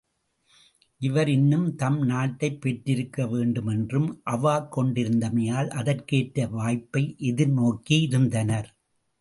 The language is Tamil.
இவர் இன்னும் தம் நாட்டைப் பெற்றிருக்க வேண்டுமென்றும் அவாக் கொண்டிருந்தமையால், அதற்கேற்ற வாய்ப்பை எதிர்நோக்கி இருந்தனர்.